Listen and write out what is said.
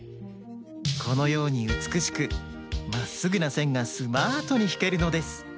このようにうつくしくまっすぐなせんがスマートにひけるのです。